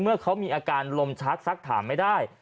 เมื่อเขามีอาการลมชักซักถามไม่ได้